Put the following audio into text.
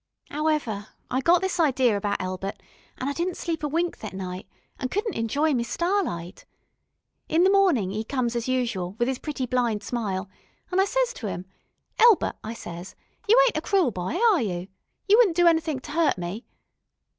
'Owever, I got this idee about Elbert, an' I didn't sleep a wink thet night, an' couldn't enjoy me starlight. In the mornin' 'e come as usual, with 'is pretty blind smile, an' I ses to 'im: 'Elbert,' I ses, 'You ain't a crool boy, are you? You wouldn't do anythink to 'urt me?'